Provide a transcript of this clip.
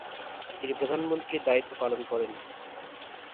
তিনি প্রধানমন্ত্রীর দায়িত্ব পালন করেন।